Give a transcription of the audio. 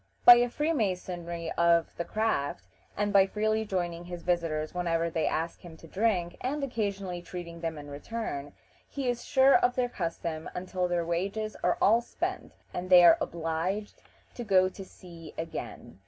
By the freemasonry of the craft, and by freely joining his visitors whenever they ask him to drink, and occasionally treating them in return, he is sure of their custom until their wages are all spent and they are obliged to go to sea again.